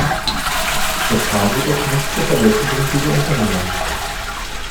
Es kam jedoch nicht zur Verwirklichung dieser Unternehmung.